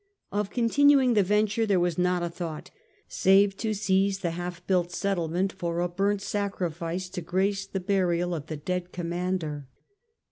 Of continuing the venture there was not a thought^ save to seize the half built settlement for a burnt sacrifice to grace the burial of the dead commander.